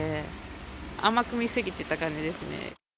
甘く見過ぎてた感じですね。